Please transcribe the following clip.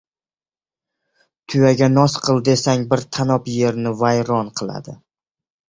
• Tuyaga noz qil desang bir tanob yerni vayron qiladi.